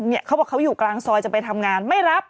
เขาบอกเขาอยู่กลางซอยจะไปทำงานไม่รับ